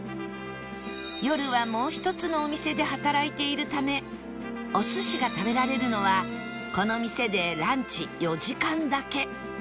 夜はもう一つのお店で働いているためお寿司が食べられるのはこの店でランチ４時間だけ